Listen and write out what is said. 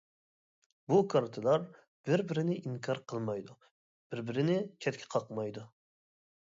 بۇ كارتىلار بىر-بىرىنى ئىنكار قىلمايدۇ، بىر-بىرىنى چەتكە قاقمايدۇ.